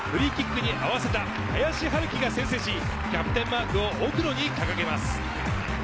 フリーキックに合わせた林晴己が先制し、キャプテンマークを奥野に掲げます。